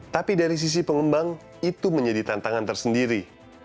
tapi dari sisi pengembang itu menjadi tantangan tersendiri